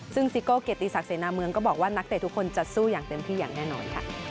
ซึ่งซิโก้เกียรติศักดิเสนาเมืองก็บอกว่านักเตะทุกคนจะสู้อย่างเต็มที่อย่างแน่นอนค่ะ